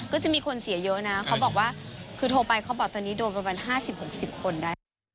ก็จะมีคนเสียเยอะนะเขาบอกว่าคือโทรไปเขาบอกตอนนี้โดนประมาณ๕๐๖๐คนได้